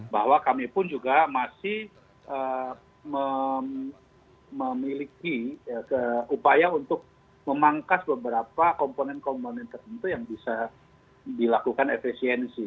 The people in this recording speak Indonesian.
bahwa kami pun juga masih memiliki upaya untuk memangkas beberapa komponen komponen tertentu yang bisa dilakukan efisiensi